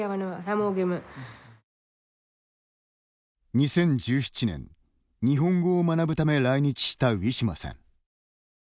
２０１７年、日本語を学ぶため来日したウィシュマさん。